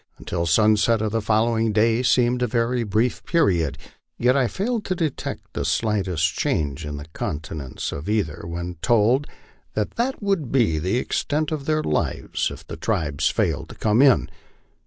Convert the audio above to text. Until sunset of the following day seemed a very brief period, yet I failed to detect the slightest change in the countenance of either when told that that would be the extent of their lives if their tribe failed to come in.